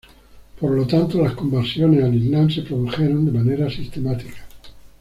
Por lo tanto, las conversiones al islam se produjeron de manera sistemática.